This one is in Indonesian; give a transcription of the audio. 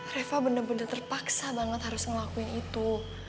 reva bener bener terpaksa banget harus ngelakuin itu